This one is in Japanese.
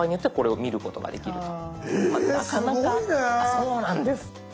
そうなんです。